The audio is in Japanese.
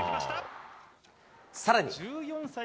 さらに。